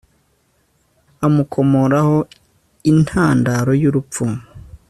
amukomoraho intandaro y'urupfu